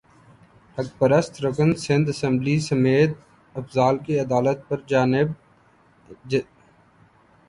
حق پرست رکن سندھ اسمبلی سمیتا افضال کی علالت پر جناب کا اظہار تشویش